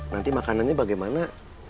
nanti makanannya bagaimana